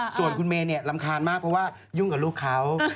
ส่วนคุณเมย์เนี่ยรำคาญมากเพราะว่ายุ่งกับลูกเขา